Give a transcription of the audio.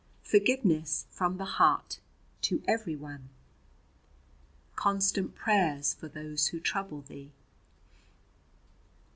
"Forgiveness from the heart to everyone. "Constant prayers for those who trouble thee.